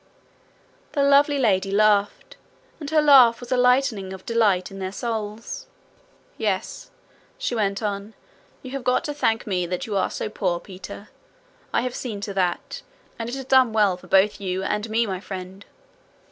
The lovely lady laughed, and her laugh was a lightning of delight in their souls. 'Yes,' she went on, 'you have got to thank me that you are so poor, Peter. I have seen to that, and it has done well for both you and me, my friend.